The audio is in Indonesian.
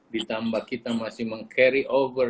ditambah kita masih meng carry over